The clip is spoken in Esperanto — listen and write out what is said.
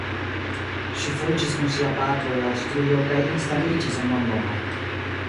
Ŝi fuĝis kun sia patro el Aŭstrio kaj instaliĝis en Londono.